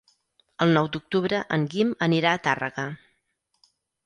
El nou d'octubre en Guim anirà a Tàrrega.